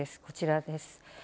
こちらです。